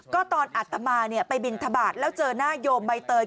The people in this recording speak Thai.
ก็ตอนอัตมาไปบินทบาทแล้วเจอหน้าโยมใบเตย